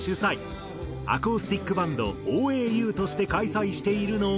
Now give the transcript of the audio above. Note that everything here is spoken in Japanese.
アコースティックバンドＯＡＵとして開催しているのが。